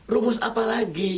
rumus apa lagi